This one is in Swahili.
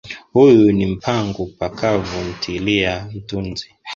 Huyu ni mpangu pakavu ntilie mtuzi